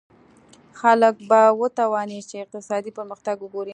خلک به وتوانېږي چې اقتصادي پرمختګ وګوري.